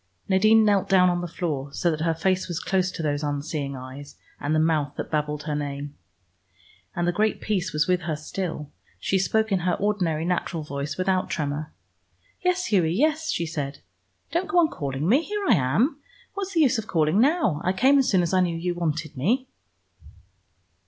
Nadine knelt down on the floor, so that her face was close to those unseeing eyes, and the mouth that babbled her name. And the great peace was with her still. She spoke in her ordinary natural voice without tremor. "Yes, Hughie, yes," she said. "Don't go on calling me. Here I am. What's the use of calling now? I came as soon as I knew you wanted me."